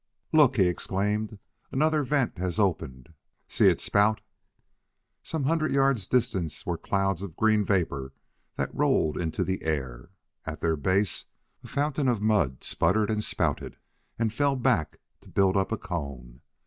"Look!" he exclaimed; "another vent has opened! See it spout?" Some hundred yards distant were clouds of green vapor that rolled into the air. At their base a fountain of mud sputtered and spouted and fell back to build up a cone.